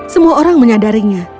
semua orang menyadarinya